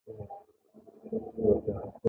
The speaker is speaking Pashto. ده راته وویل چې د انګریزي هیات سره د کتلو لپاره.